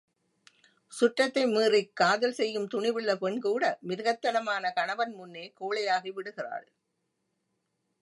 சுற்றத்தை மீறிக் காதல் செய்யும் துணிவுள்ள பெண்கூட மிருகத்தனமான கணவன் முன்னே கோழையாகி விடுகிறாள்.